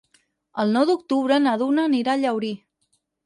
El nou d'octubre na Duna anirà a Llaurí.